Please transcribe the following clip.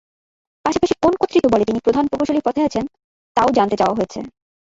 পাশাপাশি কোন কর্তৃত্ববলে তিনি প্রধান প্রকৌশলীর পদে আছেন, তা-ও জানতে চাওয়া হয়েছে।